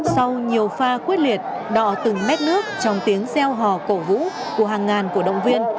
sau nhiều pha quyết liệt đọ từng mét nước trong tiếng gieo hò cổ vũ của hàng ngàn cổ động viên